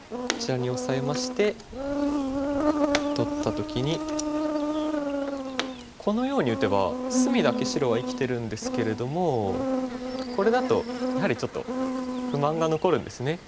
こちらにオサえまして取った時にこのように打てば隅だけ白は生きてるんですけれどもこれだとやはりちょっと不満が残るんですね。